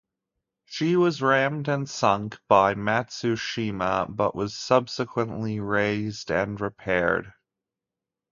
She was rammed and sunk by "Matsushima", but was subsequently raised and repaired.